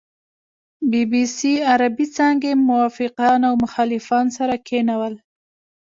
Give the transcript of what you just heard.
بي بي سي عربې څانګې موافقان او مخالفان سره کېنول.